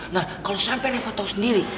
nah kalau sampai reva tau sendiri